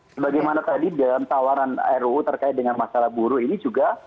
sebagaimana tadi dalam tawaran ruu terkait dengan masalah buruh ini juga